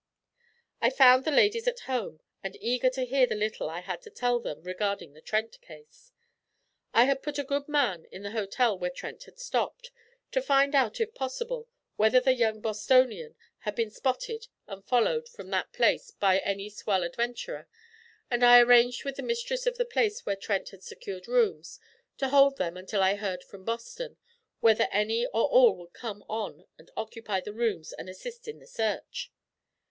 I found the ladies at home, and eager to hear the little I had to tell them regarding the Trent case. I had put a good man in the hotel where Trent had stopped, to find out, if possible, whether the young Bostonian had been spotted and followed from that place by any swell adventurer; and I arranged with the mistress of the place where Trent had secured rooms to hold them until I heard from Boston, whether any or all would come on and occupy the rooms and assist in the search.